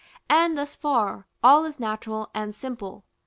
And, thus far, all is natural and simple.